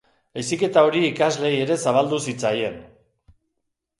Heziketa hori ikasleei ere zabaldu zitzaien.